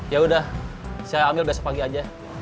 ya udah saya ambil besok pagi aja